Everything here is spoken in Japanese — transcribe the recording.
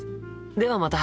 ではまた。